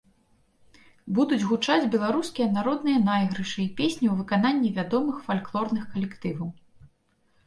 Будуць гучаць беларускія народныя найгрышы і песні ў выкананні вядомых фальклорных калектываў.